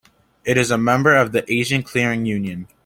It is a member of the Asian Clearing Union.